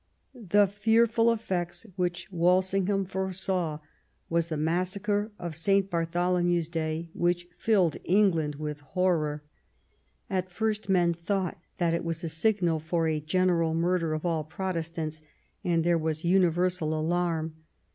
'* The "fearful effects," which Walsingham foresaw, was the massacre of St. Bartholomew's Day, which filled England with horror. At first men thought that it was a signal for a 148 QUEEN ELIZABETH. general murder of all Protestants, and there was universal alarm.